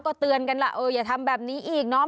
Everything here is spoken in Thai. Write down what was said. ก็เตือนกันล่ะเอออย่าทำแบบนี้อีกเนาะ